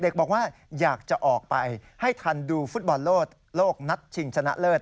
บอกว่าอยากจะออกไปให้ทันดูฟุตบอลโลกนัดชิงชนะเลิศ